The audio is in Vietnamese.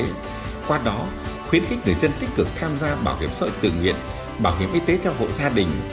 bước năm qua đó khuyến khích người dân tích cực tham gia bảo hiểm sội tự nguyện bảo hiểm y tế theo hộ gia đình